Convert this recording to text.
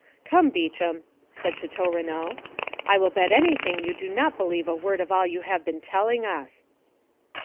"Come, Beauchamp," said Château Renaud, "I will bet anything you do not believe a word of all you have been telling us.